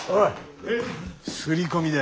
擦り込みだ。